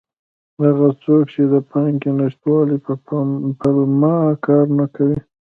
هغه څوک چې د پانګې نشتوالي په پلمه کار نه کوي.